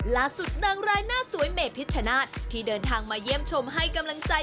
ล่าสุดดังรายหน้าสวยเมพิชชนะที่เดินทางมาเยี่ยมชมให้กำลังใจ